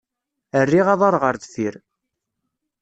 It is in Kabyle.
Rriɣ aḍar ɣer deffir.